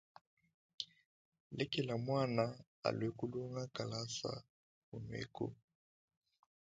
Lekela muana alue kulonga kalasa kunueku.